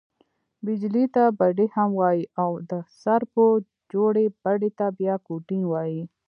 بیجلي ته بډۍ هم وايي او، د سرپو جوړي بډۍ ته بیا کوټین وايي.